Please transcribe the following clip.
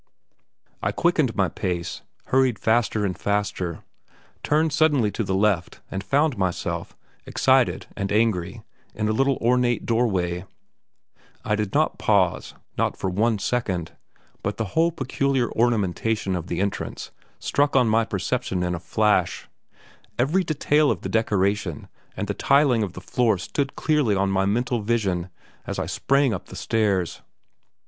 I quickened my pace, hurried faster and faster, turned suddenly to the left and found myself, excited and angry, in a light ornate doorway. I did not pause, not for one second, but the whole peculiar ornamentation of the entrance struck on my perception in a flash; every detail of the decoration and the tiling of the floor stood clear on my mental vision as I sprang up the stairs.